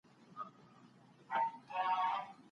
د ږدن په پټي کي باید له ډاره اتڼ ړنګ نه سي.